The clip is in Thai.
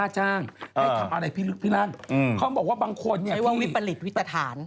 ใช้ว่าวิปริตวิตถาน